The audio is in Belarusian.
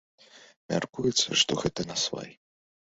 Мяркуецца, што гэта насвай.